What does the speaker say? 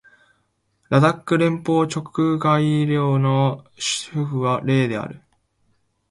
ラダック連邦直轄領の首府はレーである